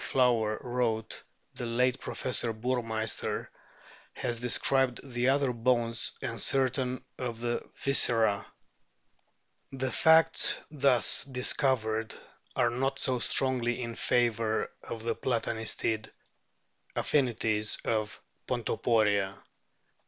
Flower wrote, the late Professor Burmeisterf has described the other bones and certain of the viscera. The facts thus dis covered are not so strongly in favour of the Plata nistid affinities of Pontoporia.